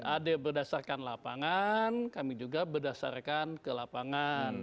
ada berdasarkan lapangan kami juga berdasarkan ke lapangan